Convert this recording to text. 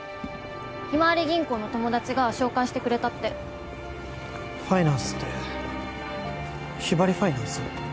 ひまわり銀行の友達が紹介してくれたってファイナンスってひばりファイナンス？